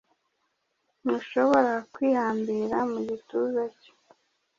Ntushobora kwihambira mu gituza cye